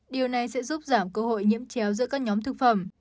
điều này sẽ giúp giảm cơ hội nhiễm chéo giữa các nhóm thực phẩm